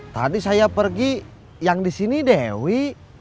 tadi saya pergi yang di sini dewi